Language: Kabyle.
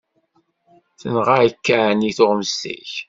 Tenɣa-k εni tuɣmest-ik?